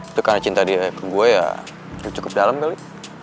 itu karena cinta gue ya cukup dalam kali